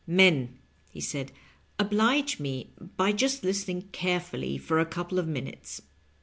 "Men," he said, "oblige me by just listening carefully for a couple of minutes.